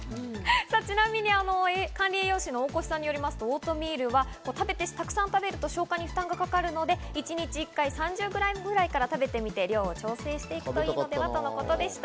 ちなみに管理栄養士の大越さんによりますと、オートミールはたくさん食べると消化に負担がかかるので、一日１回３０ｇぐらいから食べてみて量を調整していくのがよいのではということでした。